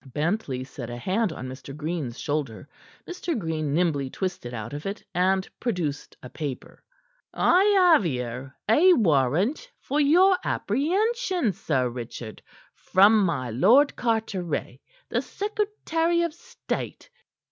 Bentley set a hand on Mr. Green's shoulder. Mr. Green nimbly twisted out of it, and produced a paper. "I have here a warrant for your apprehension, Sir Richard, from my Lord Carteret, the secretary of state." Mr.